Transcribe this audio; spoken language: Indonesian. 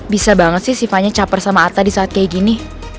bisa banget sih sifatnya caper sama atta di saat kayak gini